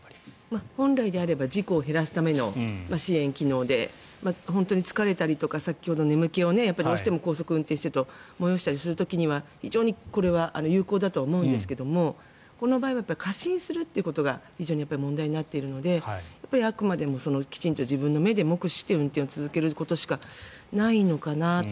本来であれば事故を減らすための支援機能で本当に疲れたりとか先ほど眠気をどうしても高速を運転していると催したりする時には非常にこれは有効だと思うんですがこの場合は過信するということが問題になっているのであくまでもきちんと自分の目で目視をして運転を続けることしかないのかなと。